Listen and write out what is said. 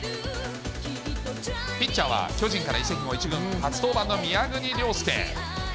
ピッチャーは巨人から移籍後１軍初登板の宮國りょうすけ。